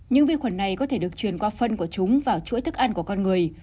những vi khuẩn này có thể được truyền qua phân của chúng vào chuỗi thức ăn của con người